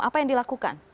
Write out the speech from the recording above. apa yang dilakukan